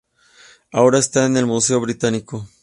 Ahora está en el Museo Británico.